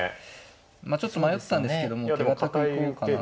まあちょっと迷ったんですけども手堅く行こうかなと。